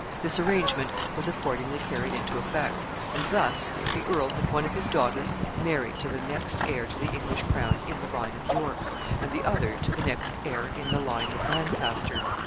This arrangement was accordingly carried into effect, and thus the earl had one of his daughters married to the next heir to the English crown in the line of York, and the other to the next heir in the line of Lancaster.